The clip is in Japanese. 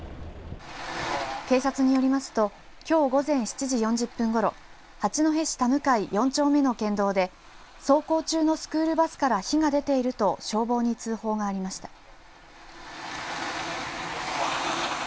警察によりますと、きょう午前７時４０分ごろ八戸市田向４丁目の県道で走行中のスクールバスから火が出ていると消防に通報がありました。